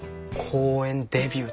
公園デビュー？